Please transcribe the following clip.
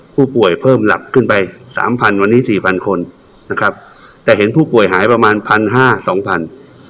ผู้ป่วยเพิ่มหลักขึ้นไปสามพันวันนี้สี่พันคนนะครับแต่เห็นผู้ป่วยหายประมาณพันห้าสองพัน